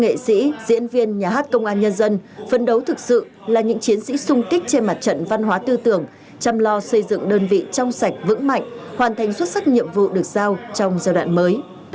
nghệ sĩ diễn viên nhà hát công an nhân dân phân đấu thực sự là những chiến sĩ sung kích trên mặt trận văn hóa tư tưởng chăm lo xây dựng đơn vị trong sạch vững mạnh hoàn thành xuất sắc nhiệm vụ được giao trong giai đoạn mới